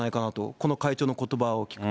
この会長のことばを聞くと。